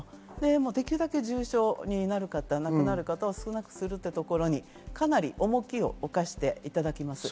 できるだけ重症になる方、亡くなる方を少なくするというところに、かなり重きを置かせていただいています。